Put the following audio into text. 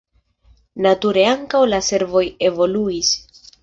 Nature ankaŭ la servoj evoluis.